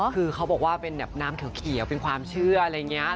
คือเขาบอกว่าปืนน้ำเขียวเป็นความเชื่ออะไรยังเงี้ย